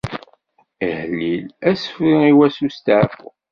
Ahellil, asefru i wass n usteɛfu.